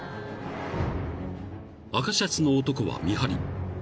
［赤シャツの男は見張り］